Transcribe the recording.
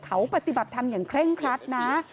เขาปฏิบัติธรรมอย่างเคร่งครัดนะ